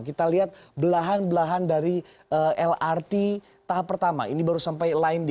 kita lihat belahan belahan dari lrt tahap pertama ini baru sampai line d